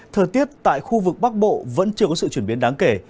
thời tiết tại khu vực bắc bộ vẫn chưa có sự chuyển biến đáng kể